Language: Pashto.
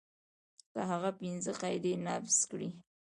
که هغه پنځه قاعدې نقض کړي.